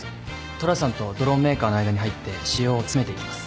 虎さんとドローンメーカーの間に入って仕様を詰めていきます。